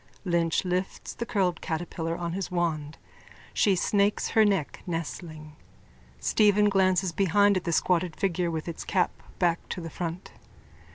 Lynch lifts the curled catterpillar on his wand. She snakes her neck, nestling. Stephen glances behind at the squatted figure with its cap back to the front.)